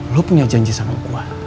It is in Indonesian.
lo punya janji sama gue